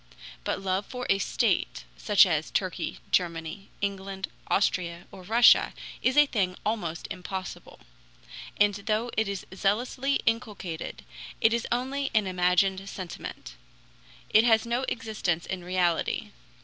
But love for a state, such as Turkey, Germany, England, Austria, or Russia is a thing almost impossible. And though it is zealously inculcated, it is only an imagined sentiment; it has no existence in reality.